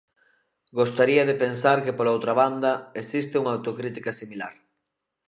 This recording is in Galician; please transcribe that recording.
Gostaría de pensar que pola outra banda, existe unha autocrítica similar.